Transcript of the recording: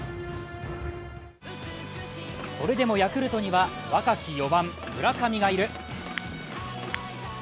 それでもヤクルトには若き４番・村上がいる。